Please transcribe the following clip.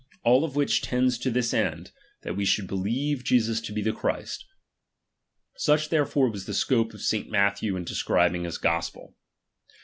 All which tends to this end ; that we should ~ believe Jesus to be the Christ. Such therefore was the scope of St. Matthew in describing his gospel.